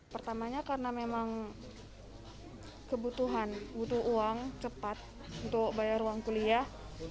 pertamanya karena memang kebutuhan butuh uang cepat untuk bayar uang kuliah